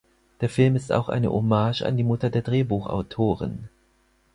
Der Film ist auch eine Hommage an die Mutter der Drehbuchautorin.